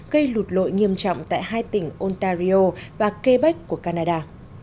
gây lụt lội nghiêm trọng tại hai tỉnh ontario và quebec của canada